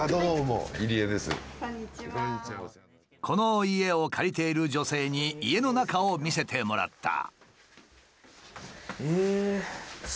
この家を借りている女性に家の中を見せてもらった。